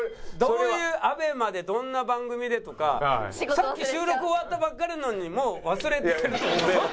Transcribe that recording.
どういうＡＢＥＭＡでどんな番組でとかさっき収録終わったばっかりなのにもう忘れてるとかそんなむちゃくちゃな。